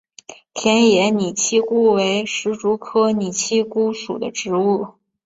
田野拟漆姑为石竹科拟漆姑属的植物。